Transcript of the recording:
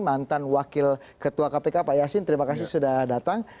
mantan wakil ketua kpk pak yasin terima kasih sudah datang